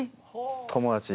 友達。